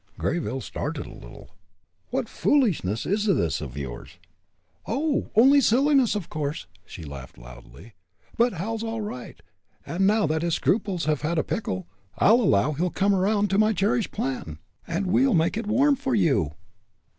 Greyville started a little. "What foolishness is this of yours?" "Oh! only silliness, of course," and she laughed loudly. "But Hal's all right, and, now that his scruples have had a pickle, I allow he'll come around to my cherished plan, and we'll make it warm for you!"